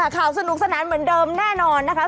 ข่าวสนุกสนานเหมือนเดิมแน่นอนนะคะ